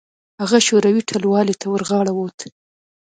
هغه شوروي ټلوالې ته ورغاړه وت.